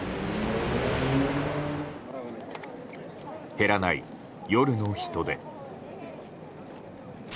減らない夜の人出。